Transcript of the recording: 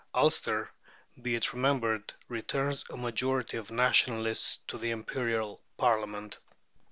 Ulster, be it remembered, returns a majority of Nationalists to the Imperial Parliament.